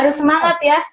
aduh semangat ya